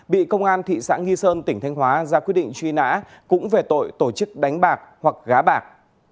bị công an thị xã nghi sơn tỉnh thanh hóa ra quyết định truy nã cũng về tội tổ chức đánh bạc hoặc gá bạc